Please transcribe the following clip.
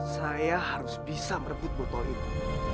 saya harus bisa merebut botol itu